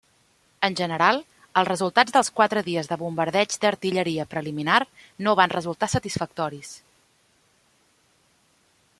En general, els resultats dels quatre dies de bombardeig d'artilleria preliminar no van resultar satisfactoris.